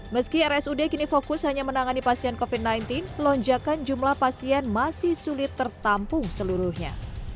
meski rsud kini fokus hanya menangani pasien covid sembilan belas lonjakan jumlah pasien masih sulit tertampung seluruhnya